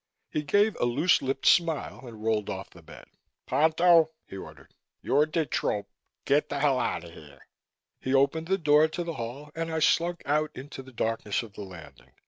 He gave a loose lipped smile and rolled off the bed. "Ponto," he ordered. "You're de trop. Get the hell out of here!" He opened the door to the hall and I slunk out into the darkness of the landing.